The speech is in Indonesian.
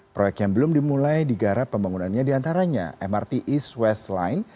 proyek yang belum dimulai digarap pembangunannya diantaranya mrt east westline